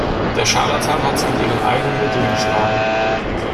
Der Scharlatan hat sie mit ihren eigenen Mitteln geschlagen.